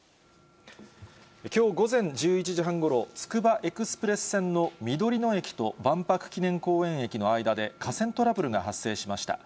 きょう午前１１時半ごろ、つくばエクスプレス線のみどりの駅と万博記念公園駅の間で、架線トラブルが発生しました。